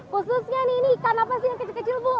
khususnya nih ini ikan apa sih yang kecil kecil bu